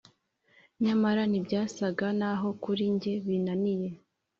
nyamara ntibyasaga naho kuri njye binaniye;